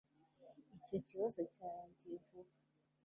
icyo kibazo cyarangiye vuba